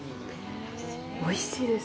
おいしいです。